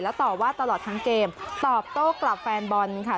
ต่อว่าตลอดทั้งเกมตอบโต้กลับแฟนบอลค่ะ